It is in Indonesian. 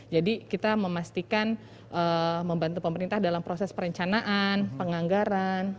jadi kita memastikan membantu pemerintah dalam proses perencanaan penganggaran